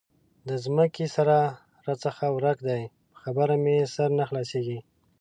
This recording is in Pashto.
د ځمکې سره راڅخه ورک دی؛ په خبره مې سر نه خلاصېږي.